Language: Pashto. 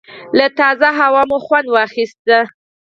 له تازه هوا مو خوند واخیست.